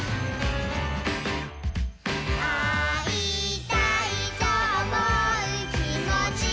「あいたいとおもうきもちがあれば」